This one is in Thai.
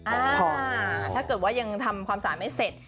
อ่าถ้าเกิดว่ายังทำความสะอาดไม่เสร็จ